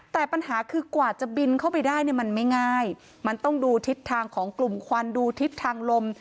แต่ปัญหาคือกว่าจะบินเข้าไปได้เนี่ยมันไม่ง่ายมันต้องดูทิศทางของกลุ่มควันดูทิศทางลม